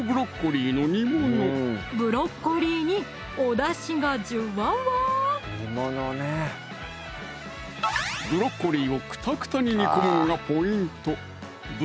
ブロッコリーにおだしがジュワワブロッコリーをくたくたに煮込むのがポイント